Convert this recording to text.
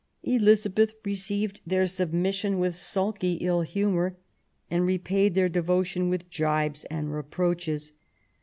Elizabeth received their submission with sulky ill humour, and repaid their devotion with jibes and reproaches.